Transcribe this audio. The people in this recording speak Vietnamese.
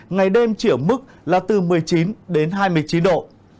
ngày đêm chỉ ở mức là từ một mươi chín đến hai mươi chín độ